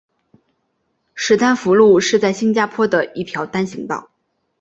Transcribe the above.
史丹福路是在新加坡的一条单行道。